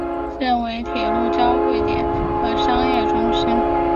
现为铁路交会点和商业中心。